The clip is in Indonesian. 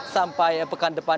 sampai pekan depan